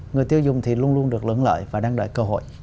người tiêu dùng thì luôn luôn được lưỡng lợi và đang đợi cơ hội